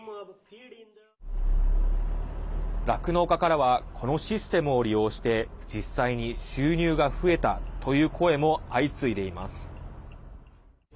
酪農家からはこのシステムを利用して実際に収入が増えたという声も相次いでいます。